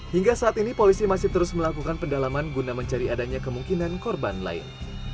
hingga saat ini polisi masih terus melakukan pendalaman guna mencari adanya kemungkinan korban lain